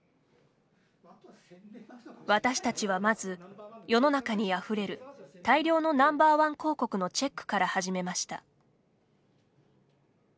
私たちはまず世の中にあふれる大量のＮｏ．１広告のチェックから始めました。